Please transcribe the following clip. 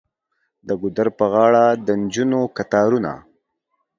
د ګودر په غاړه د نجونو کتارونه.